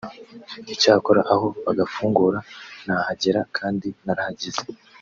icyakora aho bagafungura nahagera kandi narahageze